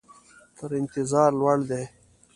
تر انتظار لوړ دي.